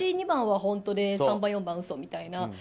１、２番は本当で３、４番は嘘みたいな。